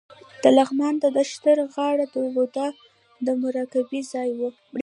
د لغمان د نښتر غار د بودا د مراقبې ځای و